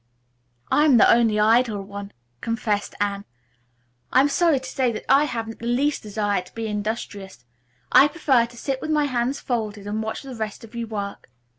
"I am the only idle one," confessed Anne. "I am sorry to say that I haven't the least desire to be industrious. I prefer to sit with my hands folded and watch the rest of you work.